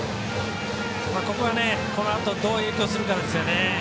ここは、このあとどう影響するかですね。